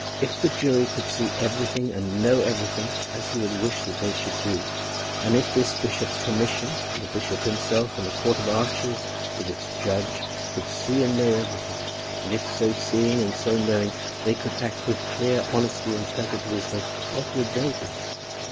If the jury could see everything and know everything, as he would wish that they should do; and if this bishop's commission, and the bishop himself, and the Court of Arches with its judge, could see and know everything; and if so seeing and so knowing they could act with clear honesty and perfect wisdom, what would they do?